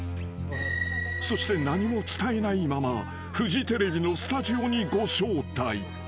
［そして何も伝えないままフジテレビのスタジオにご招待］